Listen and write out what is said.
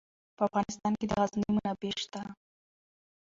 په افغانستان کې د غزني منابع شته.